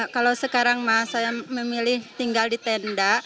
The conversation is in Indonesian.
kalau sekarang mah saya memilih tinggal di tenda